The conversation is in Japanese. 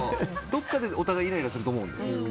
どっかでお互いイライラすると思うので。